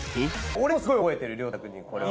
俺もすごい覚えてる涼太くんにこれを。